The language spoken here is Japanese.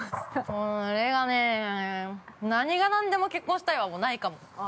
◆それがね、何が何でも結婚したいは、もうないかも。